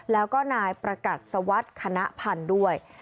แล้วก็นายประกัดสวัสดิ์คณะพันธุ์ด้วย